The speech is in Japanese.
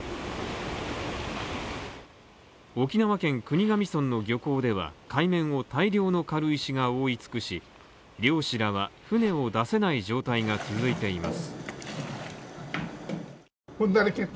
沖縄県国頭村の漁港では、海面を大量の軽石が覆いつくし漁師らは船を出せない状態が続いています。